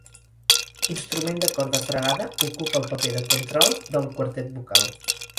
Instrument de corda fregada, ocupa el paper de contralt del quartet vocal.